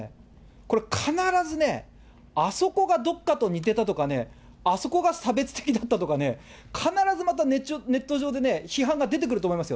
これ必ずね、あそこがどこかと似てたとかね、あそこが差別的だったとかね、必ずまたネット上で批判が出てくると思いますよ。